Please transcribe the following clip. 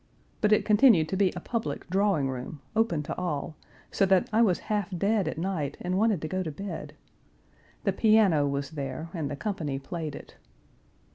But it continued to be a public drawing room, open to all, so that I was half dead at night and wanted to go to bed. The piano was there and the company played it.